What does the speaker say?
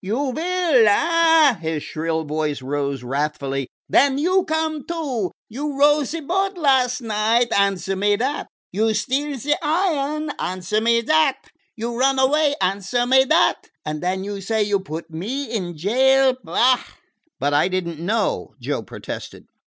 "You will, eh?" His shrill voice rose wrathfully. "Den you come too. You row ze boat last a night answer me dat! You steal ze iron answer me dat! You run away answer me dat! And den you say you put me in jail? Bah!" "But I did n't know," Joe protested.